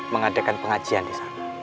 mengadakan pengajian disana